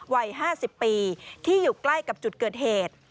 วัย๕๐ปีที่อยู่ใกล้กับจุดเกิดเหตุ